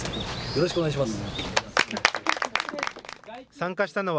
よろしくお願いします。